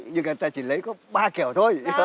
nhưng người ta chỉ lấy có ba kiểu thôi